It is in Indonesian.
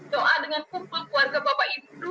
doa dengan kumpul keluarga bapak ibu